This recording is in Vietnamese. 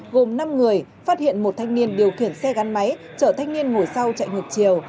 gồm năm người phát hiện một thanh niên điều khiển xe gắn máy chở thanh niên ngồi sau chạy ngược chiều